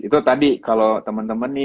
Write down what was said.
itu tadi kalo temen temen nih